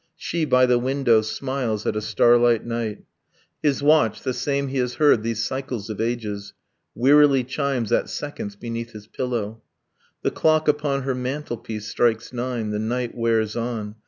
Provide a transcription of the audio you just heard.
... She, by the window, smiles at a starlight night, His watch the same he has heard these cycles of ages Wearily chimes at seconds beneath his pillow. The clock, upon her mantelpiece, strikes nine. The night wears on.